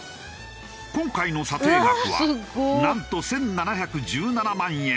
今回の査定額はなんと１７１７万円。